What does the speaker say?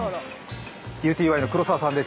ＵＴＹの黒澤さんです